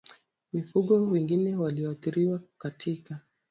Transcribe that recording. Mifugo wengine walioathiriwa katika